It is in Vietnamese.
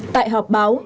tại họp báo